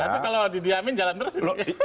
tapi kalau didiamin jalan terus